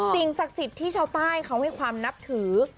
สิ่งศักดิ์สิทธิ์ที่ชาวใต้เขาให้ความนับถือ